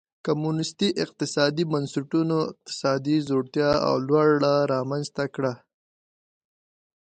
کمونېستي اقتصادي بنسټونو اقتصادي ځوړتیا او لوږه رامنځته کړه.